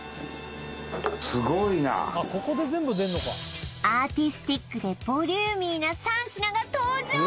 すごいなアーティスティックでボリューミーな３品が登場